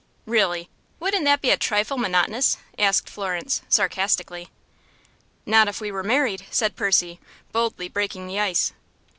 "Really! Wouldn't that be a trifle monotonous?" asked Florence, sarcastically. "Not if we were married," said Percy, boldly breaking the ice.